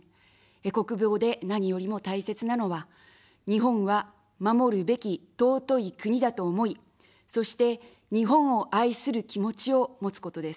国防で何よりも大切なのは、日本は守るべき尊い国だと思い、そして、日本を愛する気持ちを持つことです。